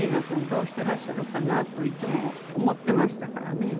どうしてらっしゃるかなといつも思ってましたからね。